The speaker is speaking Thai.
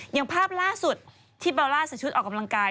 อย่างภาพล่าสุดที่เบลล่าใส่ชุดออกกำลังกาย